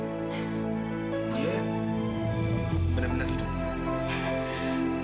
dia benar benar hidup